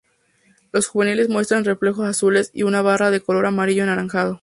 Los juveniles muestran reflejos azules y una barra de color amarillo-anaranjado.